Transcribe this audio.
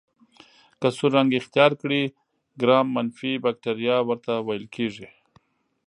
که سور رنګ اختیار کړي ګرام منفي بکټریا ورته ویل کیږي.